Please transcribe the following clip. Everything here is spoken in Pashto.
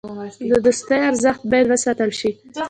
د دوستۍ ارزښت باید وساتل شي.